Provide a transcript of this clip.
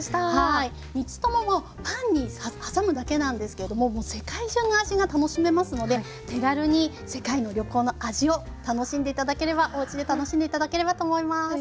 ３つとももうパンに挟むだけなんですけれどももう世界中の味が楽しめますので手軽に世界の旅行の味を楽しんで頂ければおうちで楽しんで頂ければと思います。